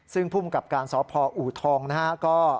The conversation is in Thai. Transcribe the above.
ซึ่งภูมิกับการสพอูทองนะฮะก็